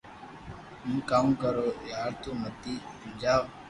ھون ڪاو ڪرو يار تو مني ھمجاو